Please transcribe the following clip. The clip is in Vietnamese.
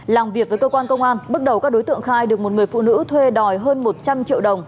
làm việc với cơ quan công an bước đầu các đối tượng khai được một người phụ nữ thuê đòi hơn một trăm linh triệu đồng